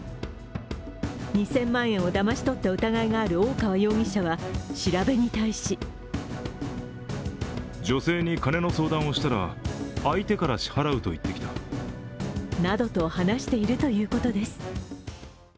２０００万円をだまし取った疑いがある大川容疑者は、調べに対しなどと話しているということです。